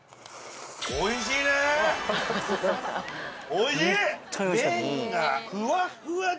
おいしい！